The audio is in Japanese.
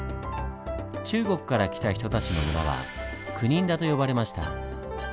中国から来た人たちの村は「久米村」と呼ばれました。